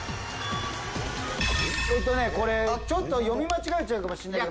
これちょっと読み間違えちゃうかもしれない。